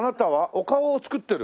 お顔を作ってる？